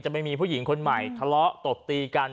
ไม่มีผู้หญิงคนใหม่ทะเลาะตบตีกัน